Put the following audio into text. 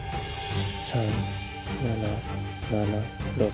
３７７６。